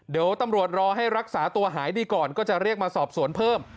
เดี๋ยวตำรวจรอให้รักษาตัวหายดีก่อนก็จะเรียกมาสอบสวนเพิ่ม